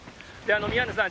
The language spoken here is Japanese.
宮根さん、